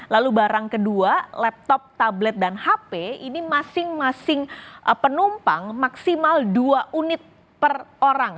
lalu barang kedua laptop tablet dan hp ini masing masing penumpang maksimal dua unit per orang